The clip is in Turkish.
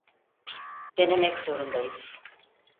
Denemek zorundayız.